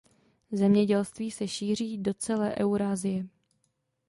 Zemědělství se šíří do celé Eurasie.